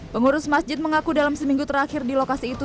pengurus masjid mengaku dalam seminggu terakhir di lokasi itu